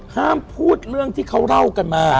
ห้ามพูดเรื่องที่เขาเล่ากันมา